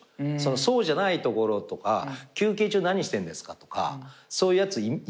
そうじゃないところとか休憩中何してんですか？とかそういうやついますか？